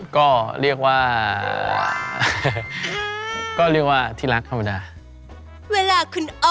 ก็เรียกว่าที่รักธรรมดา